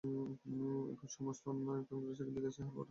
এখন সমস্ত অন্ন এক গ্রাসে গিলিতেছ, ইহার পরে হজমি গুলি খুঁজিয়া পাইবে না।